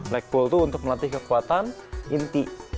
leg pull itu untuk melatih kekuatan inti